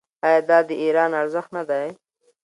آیا دا د ایران ارزښت نه دی؟